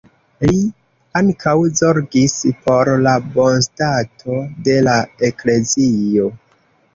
Li ankaŭ zorgis por la bonstato de la eklezio.